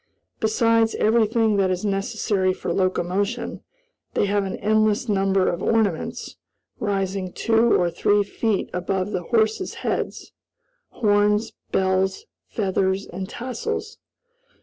Besides everything that is necessary for locomotion, they have an endless number of ornaments, rising two or three feet above the horses' heads horns, bells, feathers, and tassels.